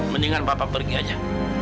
mendingan papa pergi aja